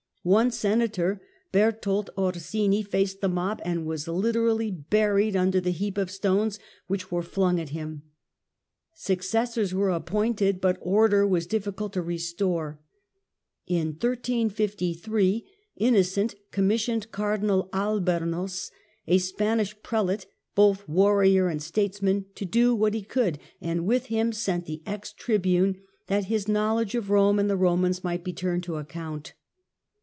One Senator, Berthold Orsini, faced the mob and was literally buried under the heap of stones which were flung at him : successors were appointed, but order was difhcult to restore. In 1353, Innocent commissioned Cardinal Albornoz, a Span ish prelate, both warrior and statesman, to do what he could, and with him sent the ex Tribune, that his know ledge of Rome and the Romans might be turned to ac count.